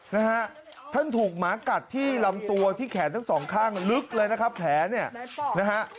นะฮะท่านถูกหมากัดที่ลำตัวที่แขนทั้งสองข้างลึกเลยนะครับแผลเนี่ยนะฮะ